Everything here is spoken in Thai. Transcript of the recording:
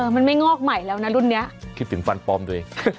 มันไม่งอกใหม่แล้วนะรุ่นนี้คิดถึงฟันปลอมตัวเอง